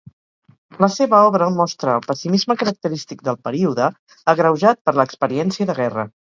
La seva obra mostra el pessimisme característic del període, agreujat per l'experiència de guerra.